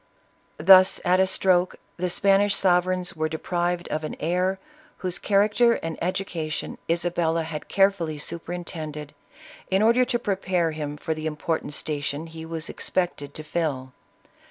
Thus, at a stroke, the Spanish sovereigns were de prived of an heir, whose character and education Isa bella had carefully superintended, in order to prepare him for the important station he was expected to fill.